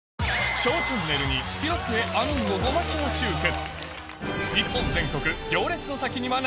『ＳＨＯＷチャンネル』に広末あみーゴゴマキが集結